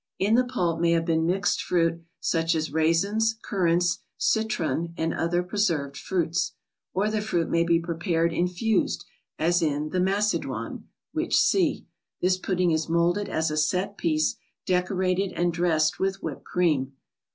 In the pulp may have been mixed fruit, such as raisins, currants, citron, and other preserved fruits. Or the fruit may be prepared infused, as in the Macedoine, which see. This pud¬ ding is molded as a set piece, decorated, and dressed with whipped cream.